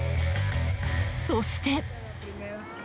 そして。